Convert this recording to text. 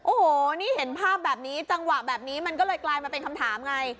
โอ้โหนี่เห็นภาพแบบนี้จังหวะแบบนี้มันก็เลยกลายมาเป็นคำถามไง